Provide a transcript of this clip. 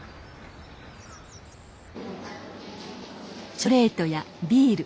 チョコレートやビール。